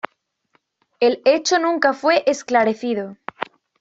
El hecho nunca fue esclarecido.